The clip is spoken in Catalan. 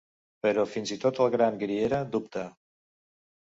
Però fins i tot el gran Griera dubta.